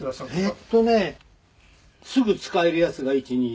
「えっとねすぐ使えるやつが１２３４」